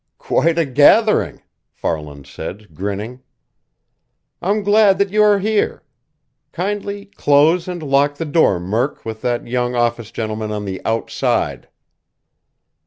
"Quite a gathering!" Farland said, grinning. "I'm glad that you are here. Kindly close and lock the door, Murk, with that young office gentleman on the outside!"